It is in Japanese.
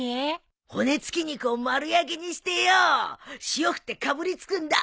骨付き肉を丸焼きにしてよ塩振ってかぶりつくんだ。